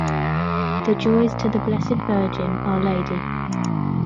The joys to the Blessed Virgin, Our Lady.